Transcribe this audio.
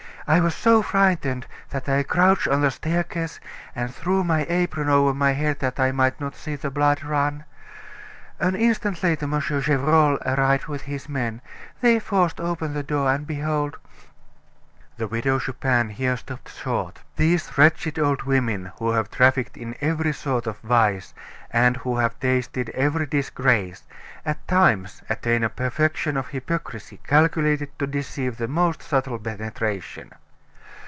I was so frightened that I crouched on the staircase and threw my apron over my head that I might not see the blood run. An instant later Monsieur Gevrol arrived with his men; they forced open the door, and behold " The Widow Chupin here stopped short. These wretched old women, who have trafficked in every sort of vice, and who have tasted every disgrace, at times attain a perfection of hypocrisy calculated to deceive the most subtle penetration.